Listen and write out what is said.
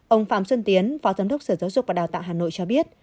ông phạm xuân tiến phó giám đốc sở dụng và đào tạo hà nội cho biết